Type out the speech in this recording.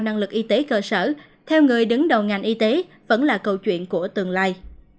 năng lực y tế cơ sở theo người đứng đầu ngành y tế vẫn là câu chuyện của tương lai